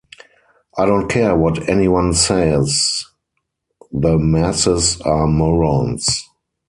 I don't care what anyone says, the masses are morons.